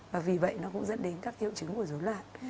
vì vậy nó cũng dẫn đến các hiệu chứng của số loạn